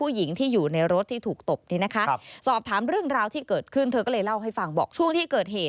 หู้สิทธิ์ข่าวไทยรัตน์ทีวี